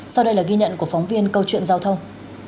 sau đây là ghi nhận của phóng viên câu chuyện giao thông